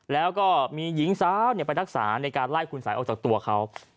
แล้วก็มีหญิงสาวไปรักษาในการไล่คุณสายออกจากตัวเขา